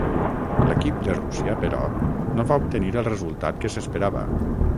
L'equip de Rússia, però, no va obtenir el resultat que s'esperava.